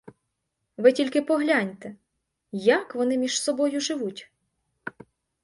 Ви тільки погляньте: як вони між собою живуть?